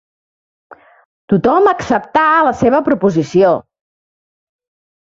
Tothom acceptà la seva proposició.